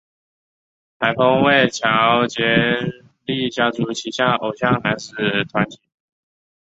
台风为乔杰立家族旗下偶像男子团体。